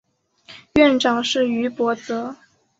院长是于博泽。